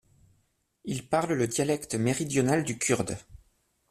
Ils parlent le dialecte méridional du kurde.